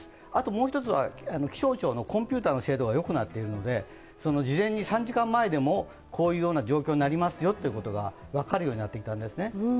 もう１つは、気象庁のコンピューターの精度がよくなっているので、事前に３時間前でもこういうような状況になりますよと分かるようになってきたんですね。